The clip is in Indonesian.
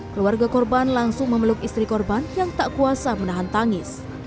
keluarga korban langsung memeluk istri korban yang tak kuasa menahan tangis